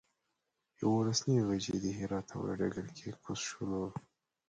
یولس نیمې بجې د هرات هوایي ډګر کې کوز شولو.